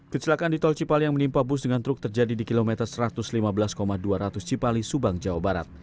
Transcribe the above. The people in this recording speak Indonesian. kecelakaan di tol cipali yang menimpa bus dengan truk terjadi di kilometer satu ratus lima belas dua ratus cipali subang jawa barat